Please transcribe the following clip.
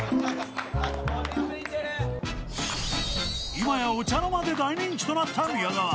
［今やお茶の間で大人気となった宮川］